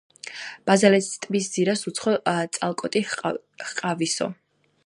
ბაზალეთისა ტბის ძირას უცხო წალკოტი ჰყვავისო.